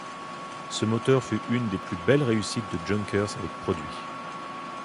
Ce moteur fut une des plus belles réussite de Junkers avec produits.